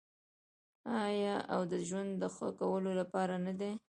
آیا او د ژوند د ښه کولو لپاره نه دی؟